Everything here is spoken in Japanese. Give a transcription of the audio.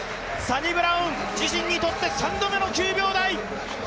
サニブラウン自身にとっての３度目の９秒台。